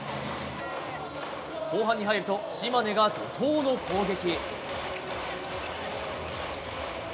後半に入ると島根が怒涛の攻撃。